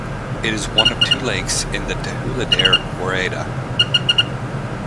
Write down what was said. It is one of two lakes in the Tehuledere woreda.